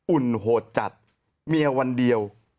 อุ่นโหดจัดเมียวันเดียว